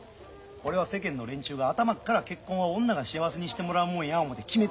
これは世間の連中が頭っから結婚は女が幸せにしてもらうもんや思て決めつけとるんや。